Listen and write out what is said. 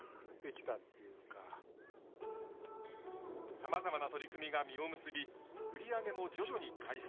さまざまな取り組みが実を結び売り上げも徐々に回復。